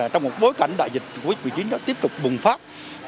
trong một bối cảnh đại dịch covid một mươi chín đã tiếp tục bùng phát